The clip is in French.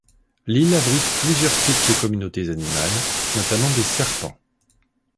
L'île abrite plusieurs types de communautés animales, notamment des serpents.